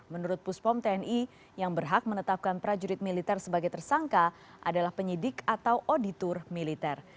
menurut puspom tni yang berhak menetapkan prajurit militer sebagai tersangka adalah penyidik atau auditor militer